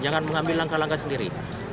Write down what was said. jangan mengambil langkah langkah sendiri